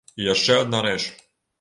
І яшчэ адна рэч.